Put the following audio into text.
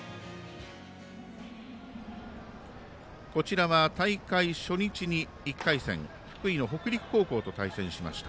こちらは大会初日に１回戦福井の北陸高校と対戦しました。